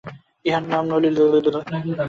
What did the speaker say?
ইঁহার নাম নলিনাক্ষ চ-োপাধ্যায়।